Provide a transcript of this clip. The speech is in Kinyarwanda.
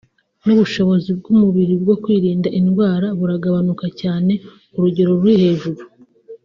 n’ubushobozi bw’umubiri bwo kwirinda indwara buragabanuka cyane ku rugero ruri hejuru